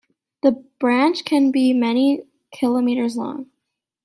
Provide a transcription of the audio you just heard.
The branch can be many kilometres long.